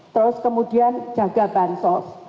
terus kemudian jaga bansos